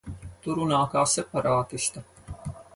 Tu runā kā separātiste.